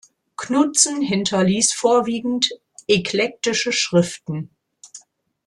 Knutzen hinterließ vorwiegend eklektische Schriften.